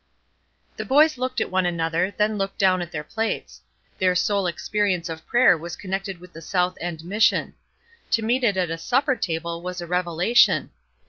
The boys looked at one another, then looked down at their plates. Their sole experience of prayer was connected with the South End Mission. To meet it at a supper table was a revelation.